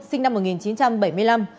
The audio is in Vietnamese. sinh năm một nghìn chín trăm bảy mươi năm